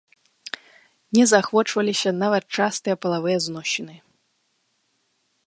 Не заахвочваліся нават частыя палавыя зносіны.